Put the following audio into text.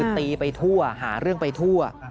ตีไปทั่วหาเรื่องไปทั่ว